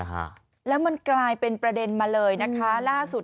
ฮะแล้วมันกลายเป็นประเด็นมาเลยนะคะล่าสุด